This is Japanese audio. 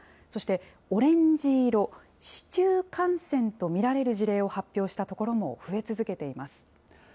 そして、オレンジ色、市中感染と見られる事例を発表した所も増え続けています。